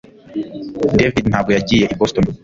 David ntabwo yagiye i Boston